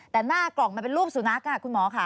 แต่หน้ากล่องมันเป็นรูปสุนัขคุณหมอค่ะ